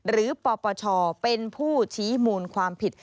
ปปชเป็นผู้ชี้มูลความผิด